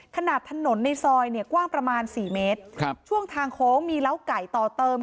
ถนนในซอยเนี่ยกว้างประมาณสี่เมตรครับช่วงทางโค้งมีเล้าไก่ต่อเติม